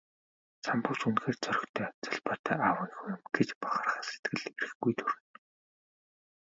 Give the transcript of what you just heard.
Самбуу ч үнэхээр зоригтой, золбоотой аавын хүү юм гэж бахархах сэтгэл эрхгүй төрнө.